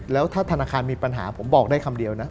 แล้วถ้าธนาคารมีปัญหาผมบอกได้คำเดียวนะ